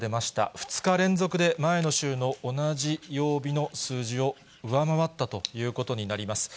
２日連続で、前の週の同じ曜日の数字を上回ったということになります。